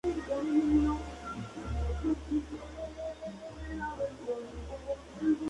Destaca por su gran fuerza expresiva y los detalles decorativos.